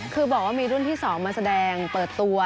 คือบอกว่ามีรุ่นที่๒มาแสดงเปิดตัว